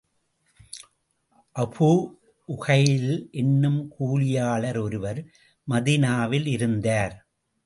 Abu Uqail என்னும் கூலியாளர் ஒருவர் மதீனாவில் இருந்தார்.